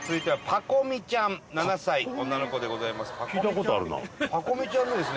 パコ美ちゃんのですね。